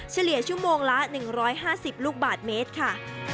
เฉลี่ยชั่วโมงละ๑๕๐ลูกบาทเมตรค่ะ